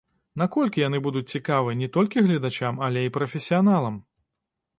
Наколькі яны будуць цікавы не толькі гледачам, але і прафесіяналам?